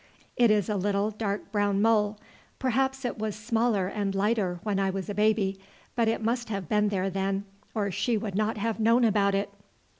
It is a little dark brown mole. Perhaps it was smaller and lighter when I was a baby; but it must have been there then, or she would not have known about it."